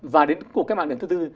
và đến cuộc cách mạng lần thứ tư